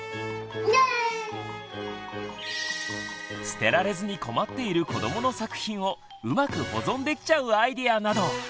捨てられずに困っている子どもの作品をうまく保存できちゃうアイデアなど！